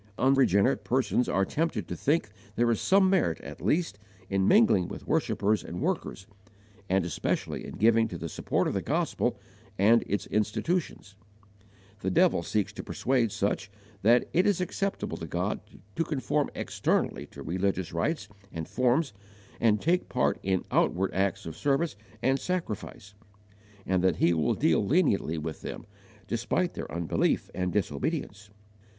Unregenerate persons are tempted to think there is some merit at least in mingling with worshippers and workers, and especially in giving to the support of the gospel and its institutions. The devil seeks to persuade such that it is acceptable to God to conform externally to religious rites, and forms, and take part in outward acts of service and sacrifice, and that He will deal leniently with them, despite their unbelief and disobedience.